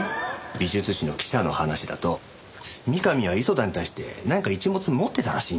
美術誌の記者の話だと三上は磯田に対して何か一物持ってたらしいんだよ。